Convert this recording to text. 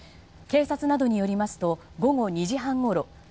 警察などによりますと午後２時半ごろ